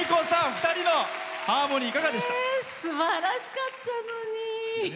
２人のハーモニーすばらしかったのに！